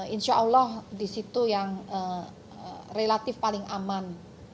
insya allah di situ yang relatif paling aman